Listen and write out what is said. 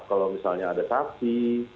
kalau misalnya ada kaksi